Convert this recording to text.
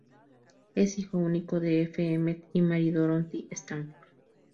Es hijo único de F. Emmett y Mary Dorothy Stafford.